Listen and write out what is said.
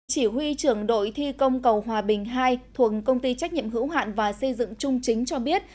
chỉ huy trưởng đội thi công cầu hòa bình hai thuộc công ty trách nhiệm hữu hạn và xây dựng trung chính cho biết